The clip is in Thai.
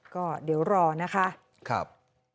ก็เดี๋ยวรอนะฮะครับ